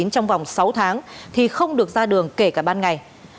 trong vòng sáu tháng thì không được ra đường kể cả ban ngày